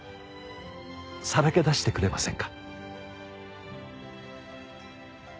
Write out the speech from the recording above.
さらけ出してくれませんか？